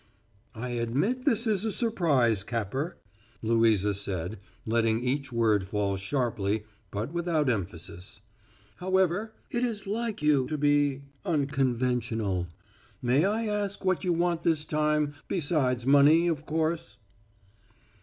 "I admit this is a surprise, Capper," Louisa said, letting each word fall sharply, but without emphasis. "However, it is like you to be unconventional. May I ask what you want this time besides money, of course?"